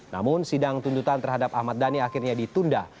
namun sidang tuntutan terhadap ahmad dhani akhirnya ditunda